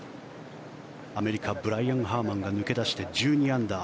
アメリカブライアン・ハーマンが抜け出して１２アンダー。